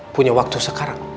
punya waktu sekarang